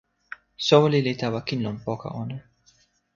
soweli li tawa kin, lon poka ona.